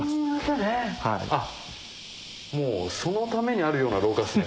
もうそのためにあるような廊下っすね